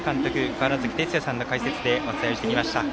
川原崎哲也さんの解説でお伝えをしてきました。